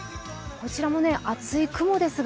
こちらも厚い雲ですが。